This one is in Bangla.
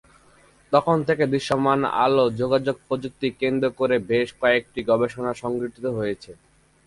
তখন থেকে দৃশ্যমান আলো যোগাযোগ প্রযুক্তি কেন্দ্র করে বেশ কয়েকটি গবেষণা সংগঠিত হয়েছে।